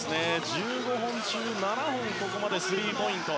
１５本中７本ここまでスリーポイント。